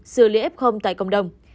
xử lý ép không tại cộng đồng